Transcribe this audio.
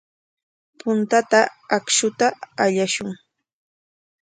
Puntata akshuta allashun.